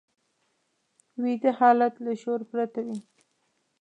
ویده حالت له شعور پرته وي